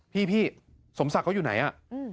พี่สมศักดิ์เขาอยู่ไหนอ่ะ